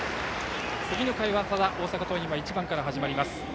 次の回は大阪桐蔭は１番から始まります。